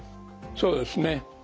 そうですね。